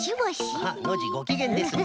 あっノージーごきげんですね。